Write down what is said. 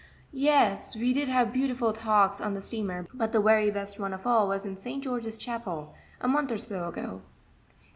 "Yes, we did have beautiful talks on the steamer, but the very best one of all was in St. George's Chapel, a month or so ago."